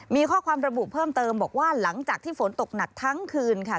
มีข้อความระบุเพิ่มเติมบอกว่าหลังจากที่ฝนตกหนักทั้งคืนค่ะ